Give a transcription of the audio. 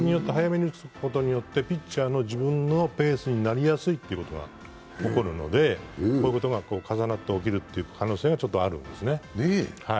それによってピッチャーの自分のペースになりやすいということが起こるので、こういうことが重なって起きる可能性があるんですね。